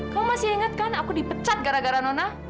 kamu masih ingat kan aku dipecat gara gara nona